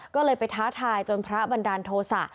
ก็เลยไปท้าทายจนพระบันดาลโทษะ